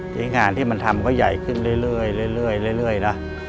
ที่งานที่มันทำก็ใหญ่ขึ้นเรื่อยนะ